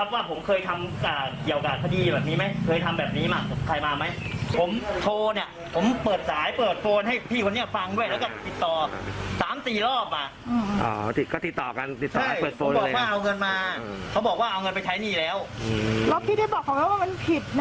แล้วพี่ได้บอกกับเราว่ามันผิดนะอะไรอย่างนี้